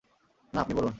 না, আপনি বলুন।